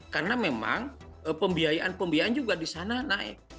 karena memang pembiayaan pembiayaan juga di sana naik